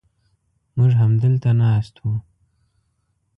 موږ همدلته ناست و.